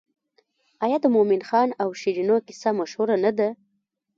آیا د مومن خان او شیرینو کیسه مشهوره نه ده؟